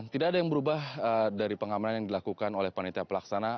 tidak ada yang berubah dari pengamanan yang dilakukan oleh panitia pelaksana